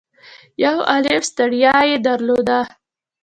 يو عالُم ستړيا يې درلوده.